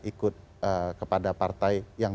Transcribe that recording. ikut kepada partai yang